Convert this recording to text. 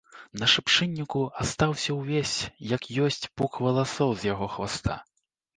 На шыпшынніку астаўся ўвесь як ёсць пук валасоў з яго хваста.